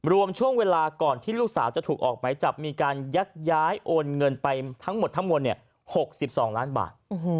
รวมช่วงเวลาก่อนที่ลูกสาวจะถูกออกไหมจับมีการยักย้ายโอนเงินไปทั้งหมดทั้งมวล๖๒ล้านบาท